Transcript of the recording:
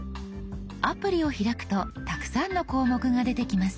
アプリを開くとたくさんの項目が出てきます。